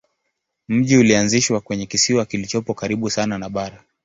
Mji ulianzishwa kwenye kisiwa kilichopo karibu sana na bara.